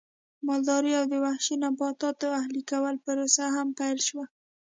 مالدارۍ او د وحشي نباتاتو اهلي کولو پروسه هم پیل شوه